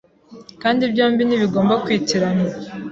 kandi byombi ntibigomba kwitiranywa.